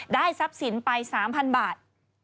ได้ทรัพย์ศิลป์ไป๓๐๐๐บาท